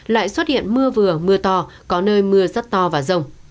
lại xuất hiện mưa vừa mưa to có nơi mưa rất to và rông